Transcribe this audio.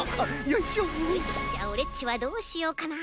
よしじゃあオレっちはどうしようかな？